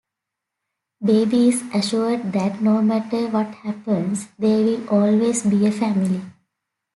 Baby is assured that no matter what happens, they will always be a family.